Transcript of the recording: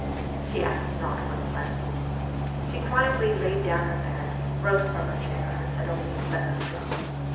She asked not one question. She quietly laid down her pen, rose from her chair, and said only, 'Let us go.'